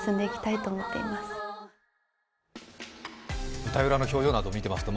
舞台裏の表情など見てますと